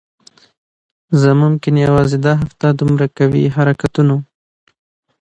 زه ممکن یوازی دا هفته دومره قوي حرکتونو